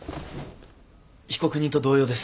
被告人と同様です。